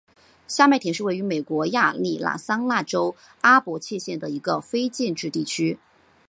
下麦田是位于美国亚利桑那州阿帕契县的一个非建制地区。